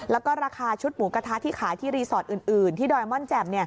แล้วก็ราคาชุดหมูกระทะที่ขายที่รีสอร์ทอื่นที่ดอยม่อนแจ่ม